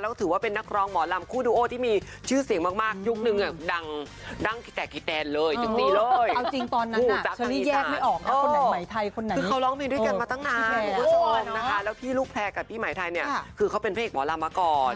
แล้วพี่ลูกแพร่กับพี่หมายไทยเนี่ยคือเขาเป็นพระเอกหมอรัมมาก่อน